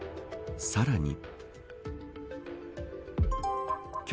さらに。